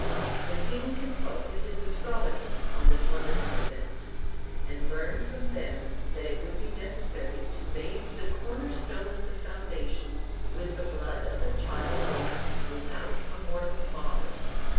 The king consulted his astrologers on this wonderful event, and learned from them that it would be necessary to bathe the corner stone of the foundation with the blood of a child born without a mortal father.